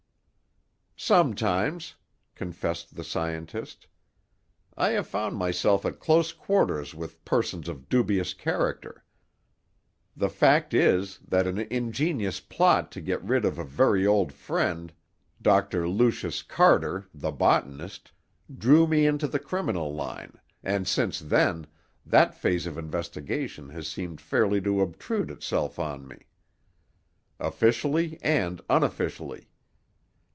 "Sometimes," confessed the scientist, "I have found myself at close quarters with persons of dubious character. The fact is, that an ingenious plot to get rid of a very old friend, Doctor Lucius Carter the botanist, drew me into the criminal line, and since then, that phase of investigation has seemed fairly to obtrude itself on me, officially and unofficially.